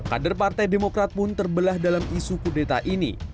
kader partai demokrat pun terbelah dalam isu kudeta ini